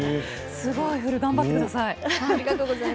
すごいフル頑張ってください。